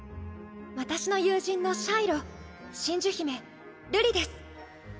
私の友人のシャイロ真珠姫瑠璃です。